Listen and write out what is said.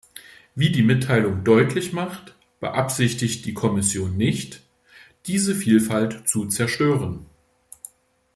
Wie die Mitteilung deutlich macht, beabsichtigt die Kommission nicht, diese Vielfalt zu stören.